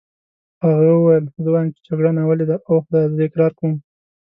هغه وویل: زه وایم چې جګړه ناولې ده، اوه خدایه زه اقرار کوم.